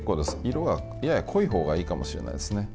色が、やや濃いほうがいいかもしれないですね。